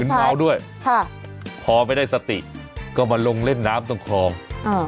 เมาด้วยค่ะพอไม่ได้สติก็มาลงเล่นน้ำตรงคลองอ่า